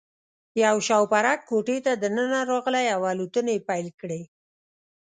یو شوپرک کوټې ته دننه راغلی او الوتنې یې پیل کړې.